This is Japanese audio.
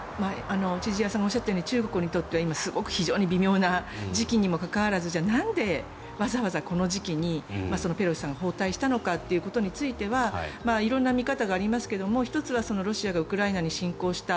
千々岩さんがおっしゃったように中国にとっては今は非常に微妙なタイミングにもかかわらずじゃあ、なんでわざわざこの時期にペロシさんが訪台したのかということについては色んな見方がありますけれど１つはロシアがウクライナに侵攻した。